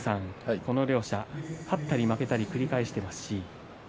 この２人は勝ったり負けたりを繰り返しています。